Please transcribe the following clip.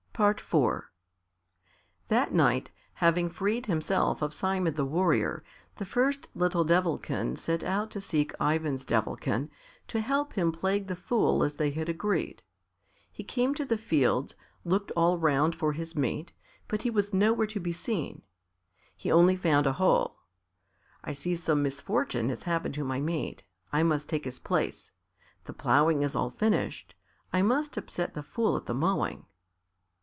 IV That night, having freed himself of Simon the Warrior, the first little Devilkin set out to seek Ivan's Devilkin, to help him plague the Fool as they had agreed. He came to the fields, looked all round for his mate, but he was nowhere to be seen; he only found a hole. "I see some misfortune has happened to my mate; I must take his place. The ploughing is all finished; I must upset the Fool at the mowing."